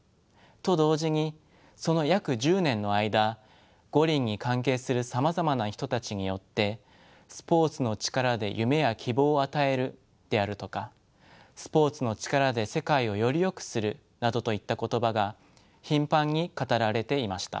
と同時にその約１０年の間五輪に関係するさまざまな人たちによって「スポーツの力で夢や希望を与える」であるとか「スポーツの力で世界をよりよくする」などといった言葉が頻繁に語られていました。